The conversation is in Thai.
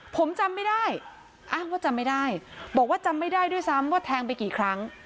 ผมจำไม่ได้อ้างว่าจำไม่ได้บอกว่าจำไม่ได้ด้วยซ้ำว่าแทงไปกี่ครั้ง